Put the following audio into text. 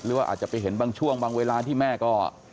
หรือว่าอาจจะไปเห็นบางช่วงบางเวลาที่แม่ก็